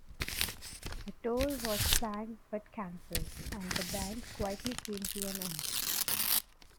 A tour was planned but cancelled, and the band quietly came to an end.